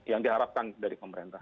yang diharapkan dari pemerintah